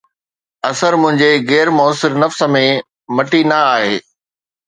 اثر منهنجي غير موثر نفس ۾ مٽي نه آهي